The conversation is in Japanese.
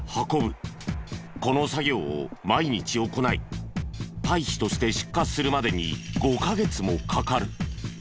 この作業を毎日行い堆肥として出荷するまでに５カ月もかかる。